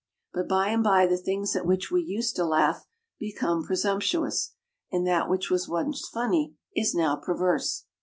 But by and by the things at which we used to laugh become presumptuous, and that which was once funny is now perverse.